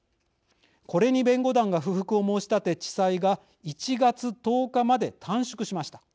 これに弁護団が不服を申し立て地裁が１月１０日まで短縮しました。